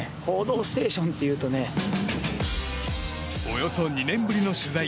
およそ２年ぶりの取材。